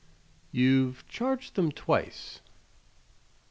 You've charged them twice."